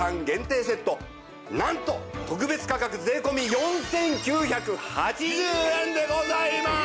なんと特別価格税込４９８０円でございます！